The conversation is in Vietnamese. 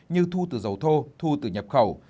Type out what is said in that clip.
như thu từ dầu thô thu từ nhập khẩu